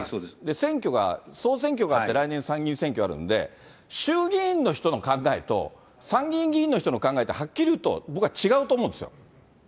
選挙が、総選挙があって来年参議院選挙あるんで、衆議院の人の考えと、参議院議員の人の考えってはっきり言うと、僕は違うと思うんです